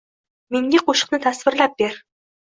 “Menga qo‘shiqni tasvirlab ber”